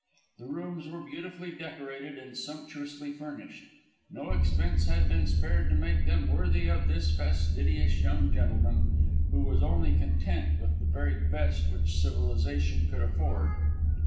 The rooms were beautifully decorated and sumptuously furnished. No expense had been spared to make them worthy of this fastidious young gentleman, who was only content with the very best which civilisation could afford.